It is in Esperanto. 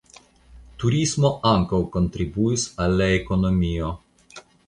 Turismo ankaŭ kontribuis al la ekonomio.